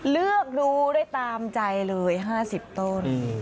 เลือกดูได้ตามใจเลย๕๐ต้น